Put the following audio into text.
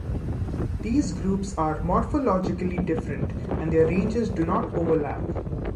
These groups are morphologically different and their ranges do not overlap.